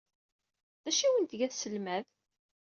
D acu ay awent-tga tselmadt?